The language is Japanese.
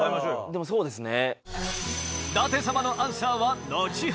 でもそうですね。